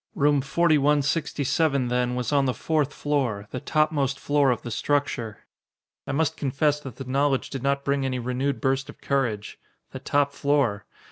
Room 4167, then, was on the fourth floor the topmost floor of the structure. I must confess that the knowledge did not bring any renewed burst of courage! The top floor!